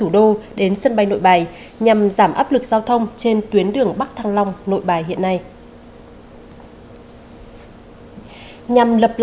đoàn đã khám và chữa bệnh